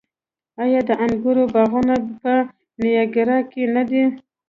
آیا د انګورو باغونه په نیاګرا کې نه دي؟